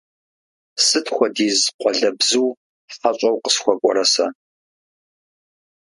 Сыт хуэдиз къуалэбзу хьэщӀэу къысхуэкӀуэрэ сэ!